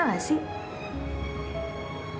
ngerasa gak sih